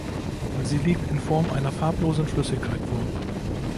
Sie liegt in Form einer farblosen Flüssigkeit vor.